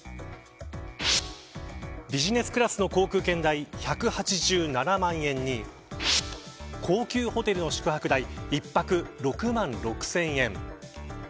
ビジネスクラスの航空券代１８７万円に高級ホテルの宿泊代一泊６万６０００円。